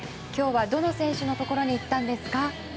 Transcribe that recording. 今日は、どの選手のところに行ったんですか？